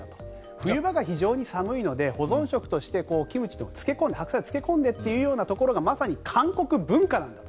冬場が非常に寒いので保存食としてキムチ、ハクサイを漬け込んでというところがまさに韓国文化なんだと。